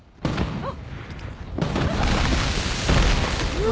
あっ！